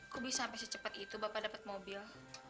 kok bisa sampai secepat itu bapak dapat mobil